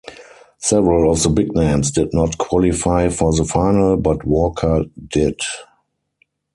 Several of the big names did not qualify for the final, but Walker did.